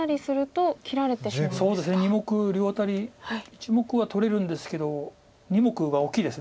１目は取れるんですけど２目が大きいです。